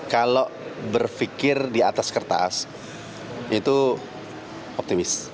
kalau berpikir di atas kertas itu optimis